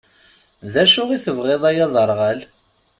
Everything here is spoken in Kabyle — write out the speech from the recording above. D acu i tebɣiḍ, ay aderɣal?